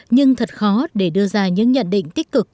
nhưng thật khó để đưa ra những nhận định tích cực